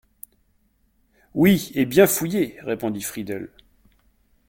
Oui, et bien fouillé! répondit Friedel.